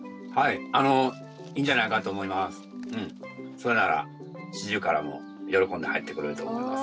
それならシジュウカラも喜んで入ってくれると思います。